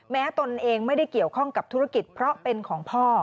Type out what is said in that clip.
ตนเองไม่ได้เกี่ยวข้องกับธุรกิจเพราะเป็นของพ่อ